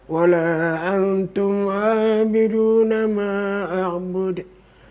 wala antum abirun ma a'budu